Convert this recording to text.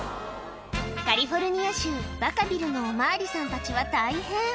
カリフォルニア州バカビルのお巡りさんたちは大変。